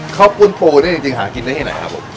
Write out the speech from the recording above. ขอบคุณปูนี่จริงหากินได้ให้ไหนครับผม